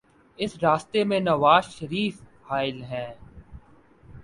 اس راستے میں نوازشریف حائل ہیں۔